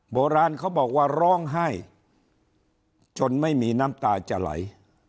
โบราณเขาบอกว่าร้องไห้จนไม่มีน้ำตาจะไหล